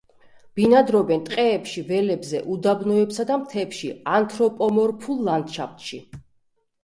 ბინადრობენ ტყეებში, ველებზე, უდაბნოებსა და მთებში, ანთროპომორფულ ლანდშაფტში.